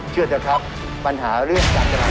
เชื่อเถอะครับปัญหาเรื่องศาสนา